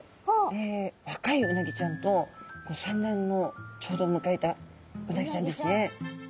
若いうなぎちゃんと産卵をちょうど迎えたうなぎちゃんですね。